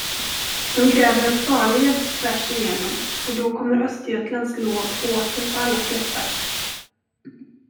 De gräver en farled tvärsigenom, och då kommer Östergötlands lov åter på allas läppar.